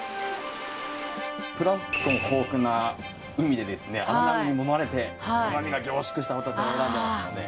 プランクトン豊富な海で荒波に揉まれて旨味が凝縮したほたてを選んでますので。